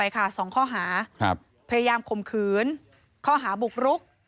เข้าหาบุกรุก